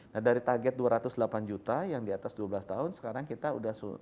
nah dari target dua ratus delapan juta yang di atas dua belas tahun sekarang kita sudah